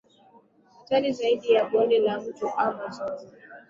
hatari zaidi ya Bonde la Mto Amazon